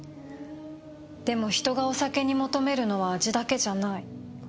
でも人がお酒に求めるのは味だけじゃない。